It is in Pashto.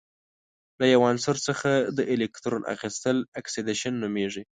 له یو عنصر څخه د الکترون اخیستل اکسیدیشن نومیږي.